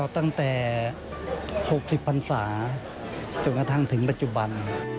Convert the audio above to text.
ตั้งแต่๖๐พันศาจนกระทั่งถึงปัจจุบัน